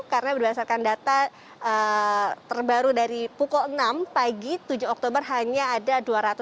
karena berdasarkan data terbaru dari pukul enam pagi tujuh oktober hanya ada dua ratus empat puluh lima